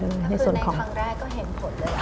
คือในครั้งแรกก็เห็นผลเลยค่ะ